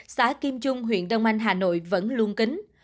xã kim trung huyện đông anh hà nội vẫn luôn kính